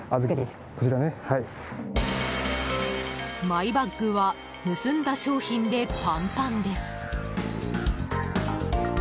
マイバッグは盗んだ商品でパンパンです。